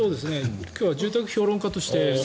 今日は住宅評論家として。